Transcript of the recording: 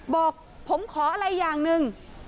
บอกผมขออะไรอย่างหนึ่ง